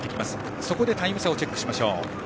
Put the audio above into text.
そこでタイム差をチェックしましょう。